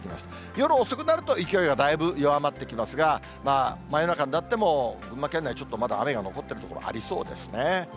夜遅くなると、勢いはだいぶ弱まってきますが、真夜中になっても、群馬県内、ちょっと雨が残っている所、ありそうですね。